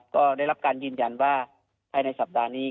ก็ได้รับการยืนยันว่าภายในสัปดาห์นี้